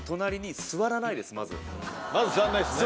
まず座んないですね。